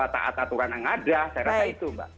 taat aturan yang ada saya rasa itu mbak